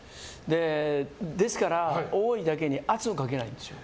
ですから、多いだけに圧をかけないんですよ。